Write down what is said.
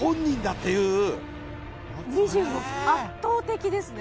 ２６、圧倒的ですね。